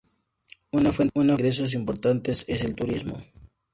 Una fuente de ingresos importantes es el turismo.